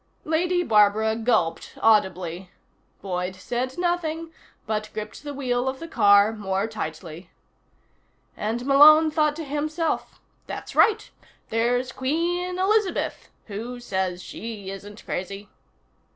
Lady Barbara gulped audibly. Boyd said nothing, but gripped the wheel of the car more tightly. And Malone thought to himself: _That's right. There's Queen Elizabeth who says she isn't crazy.